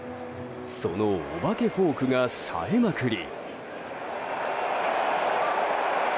そのお化けフォークが冴えまくり。